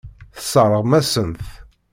Tesseṛɣem-asen-t.